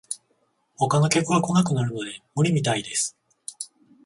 他の客が来なくなるので無理みたいです